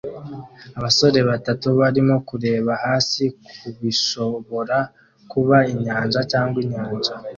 Abasore batatu barimo kureba hasi kubishobora kuba inyanja cyangwa inyanja